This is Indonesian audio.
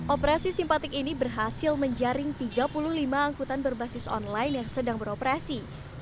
operasi simpatik ini berhasil menjaring tiga puluh lima angkutan berbasis online yang sedang beroperasi